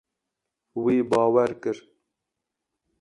Wî bawer kir.